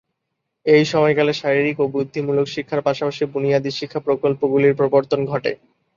এই সময়কালে শারীরিক ও বৃত্তিমূলক শিক্ষার পাশাপাশি বুনিয়াদি শিক্ষা প্রকল্পগুলির প্রবর্তন ঘটে।